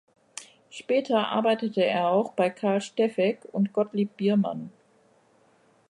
Später arbeitete er auch bei Karl Steffeck und Gottlieb Biermann.